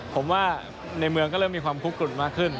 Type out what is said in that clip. ผมว่าในเมืองก็เริ่มมีความคุกกลุ่นมากขึ้น